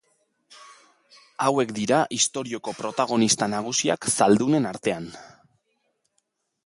Hauek dira istorioko protagonista nagusiak zaldunen artean.